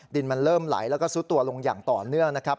ดินมันเริ่มไหลแล้วก็ซุดตัวลงอย่างต่อเนื่องนะครับ